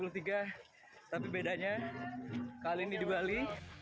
tapi bedanya kali ini di bali